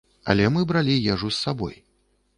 Але мы бралі ежу з сабой.